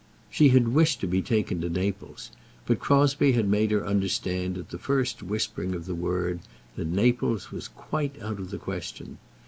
She had wished to be taken to Naples, but Crosbie had made her understand at the first whispering of the word, that Naples was quite out of the question.